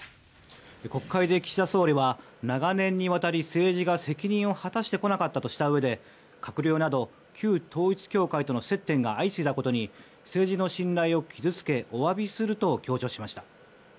国会で岸田総理は長年にわたり、政治が責任を果たしてこなかったとしたうえで閣僚など旧統一教会との接点が相次いだことに政治の信頼を傷付けおわびすると強調しました。